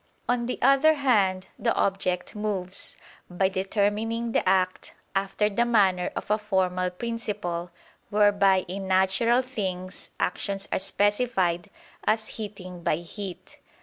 On the other hand, the object moves, by determining the act, after the manner of a formal principle, whereby in natural things actions are specified, as heating by heat.